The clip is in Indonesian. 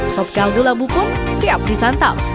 sop kaldu labu pun siap disantap